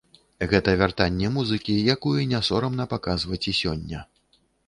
Гэта вяртанне музыкі, якую не сорамна паказваць і сёння.